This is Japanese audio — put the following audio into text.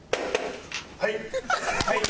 はい。